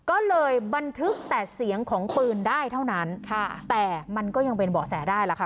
ก็เลยบันทึกแต่เสียงของปืนได้เท่านั้นค่ะแต่มันก็ยังเป็นเบาะแสได้ล่ะค่ะ